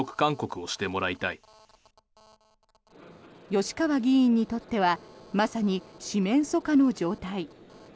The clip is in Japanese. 吉川議員にとってはまさに四面楚歌の状態。